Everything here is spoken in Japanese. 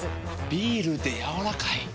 ビールでやわらかい。